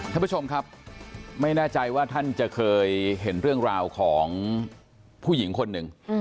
ท่านผู้ชมครับไม่แน่ใจว่าท่านจะเคยเห็นเรื่องราวของผู้หญิงคนหนึ่ง